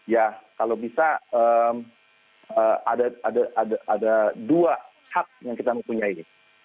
ya kalau bisa ada dua hak yang kita mempunyai